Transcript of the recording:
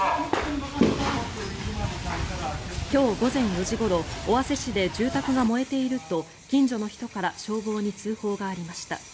今日午前４時ごろ尾鷲市で住宅が燃えていると近所の人から消防に通報がありました。